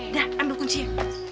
nah ambil kuncinya